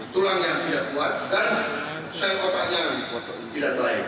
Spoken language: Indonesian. tulangnya tidak kuat dan sel otaknya tidak baik